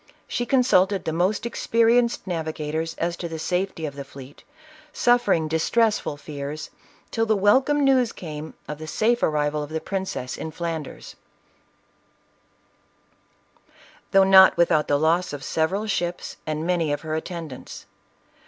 She consulted the most experienced navi gators as to the safety of the fleet, suffering distressful fears, till the welcome news came of the safe arrival of the princess in Flanders, though not without the loss of several ships, and many of her attendants.